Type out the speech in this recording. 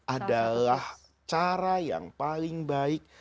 adalah cara yang paling baik